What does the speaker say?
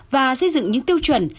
và xây dựng những tiêu chuẩn